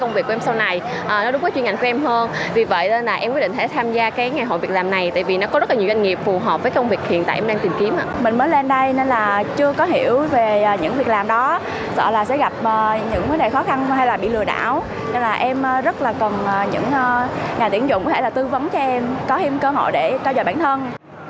cũng có thể là tư vấn cho em có thêm cơ hội để trao dồi bản thân